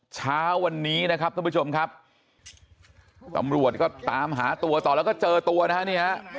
เช้าวันนี้นะครับท่านผู้ชมครับตำรวจก็ตามหาตัวต่อแล้วก็เจอตัวนะฮะเนี่ย